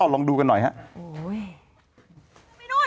ลองดูกันหน่อยครับ